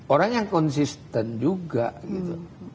orangnya konsisten juga gitu